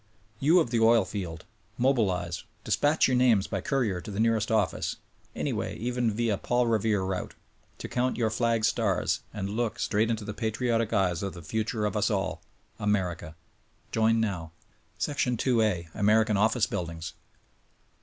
You of the oil field, mobilize ! Dispatch your names by courier to the nearest office ; anyway — even via Paul Revere route— to count your flag's stars, and look — straight into the patriotic eyes of the future of us all — America. Join— now ! 2 A. American Oftice Buildings.